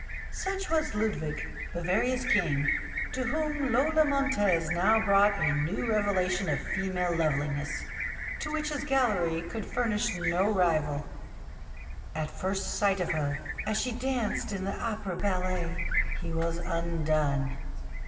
Such was Ludwig, Bavaria's King, to whom Lola Montez now brought a new revelation of female loveliness, to which his gallery could furnish no rival. At first sight of her, as she danced in the opera ballet, he was undone.